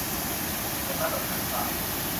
เป็นมาตรฐานตาม